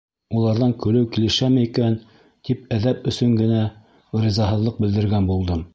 Уларҙан көлөү килешәме икән, — тип әҙәп өсөн генә ризаһыҙлыҡ белдергән булдым.